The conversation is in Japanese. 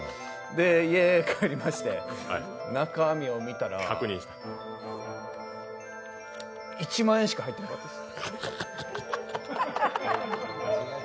家帰りまして、中身を見たら、１万円しか入ってなかったんです。